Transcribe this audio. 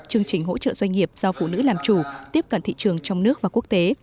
chương trình hỗ trợ doanh nghiệp do phụ nữ làm chủ tiếp cận thị trường trong nước và quốc tế